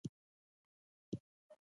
دا طالېمن څوک دی.